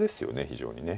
非常にね。